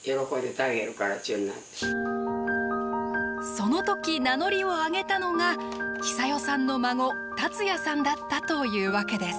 その時名乗りを上げたのがヒサヨさんの孫達也さんだったというわけです。